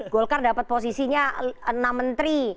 golkar dapat posisinya enam menteri